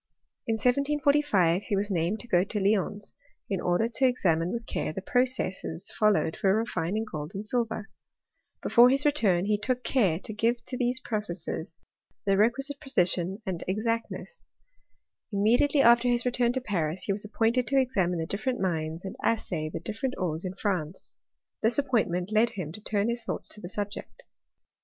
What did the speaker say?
In 1745 he was named to go to Lyons in order to examine with care the processes followed for refining gold and silver. Before his return he took care to tBMtLY JH CHElOST&Ti 287 gm to tbese procesies the requisiie predskm and ex actness. Immediately after hu return to Pans he was appointed to examine the different mines and assay the different ores in, France ; this appointment led him to torn his thoughts to the subject.